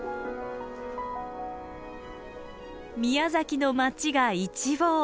宮崎の町が一望！